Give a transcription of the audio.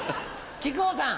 木久扇さん。